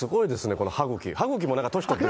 この歯茎。